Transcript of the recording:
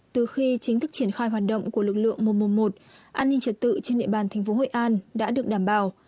từ khi chính thức triển khai hoạt động của lực lượng một trăm một mươi một an ninh trật tự trên địa bàn thành phố hội an đã được đảm bảo